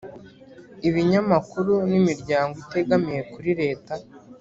ibinyamakuru n'imiryango itegamiye kuri leta,